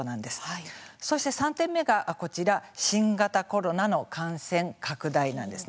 そして、３点目がこちら新型コロナの感染拡大なんですね。